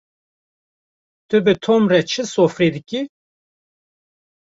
Tu bi Tom re hîç sorfê dikî?